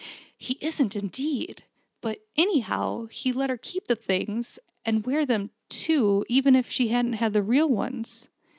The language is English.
"He isn't, indeed! But, anyhow, he let her keep the things and wear them, too; even if she never had the real ones.